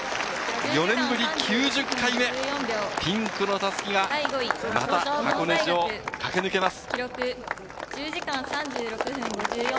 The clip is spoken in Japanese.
４年ぶり９０回目、ピンクの襷がまた箱根路を駆け抜けます。